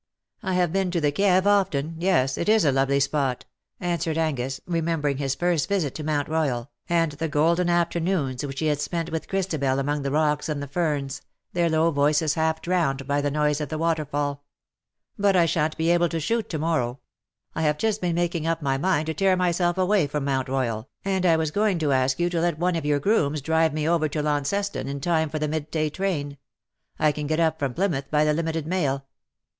^^" I have been to the Kieve, often — yes, it is a lovely spot/' answered Angus, remembering his first visit to Mount Boyal, and the golden after noons which he had spent with Christabel among the "who knows not CIRCE?" 269 rocks and the fernsj their low voices half drowned by the noise of the waterfall. " But I shan^t be able to shoot to morrow. I have just been making up my mind to tear myself away from Mount Royal^ and I was going to ask you to let one of your grooms drive me over to Launceston in time for the mid day train. I can get up from Plymouth by the Limited Mail.''